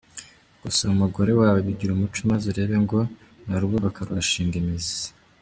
Gusoma umugore wawe bigire umuco maze urebe ngo murarwubaka rugashinga imizi.